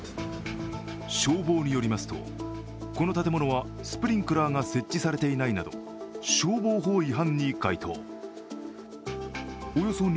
消防によりますとこの建物はスプリンクラーが設置されていないなど消防法違反に該当。